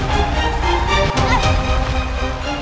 mesti kebiasaan deh